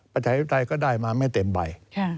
ประเทศวิทยาลัยก็ได้มาไม่เต็มใบ